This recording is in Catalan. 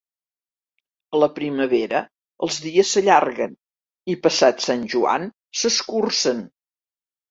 A la primavera els dies s'allarguen i, passat Sant Joan, s'escurcen.